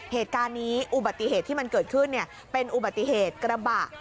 เหตุการณ์นี้อุบัติเหตุที่มันเกิดขึ้นเป็นอุบัติเหตุกระบะ